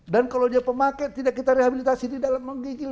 dan kalau dia pemakai tidak kita rehabilitasi di dalam menggigil